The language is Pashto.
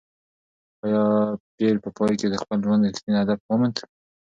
ایا پییر په پای کې د خپل ژوند رښتینی هدف وموند؟